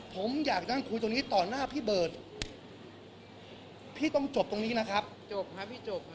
ผมอยากนั่งคุยตรงนี้ต่อหน้าพี่เบิร์ตพี่ต้องจบตรงนี้นะครับจบครับพี่จบครับ